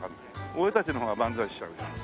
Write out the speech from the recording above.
俺たちの方が万歳しちゃう。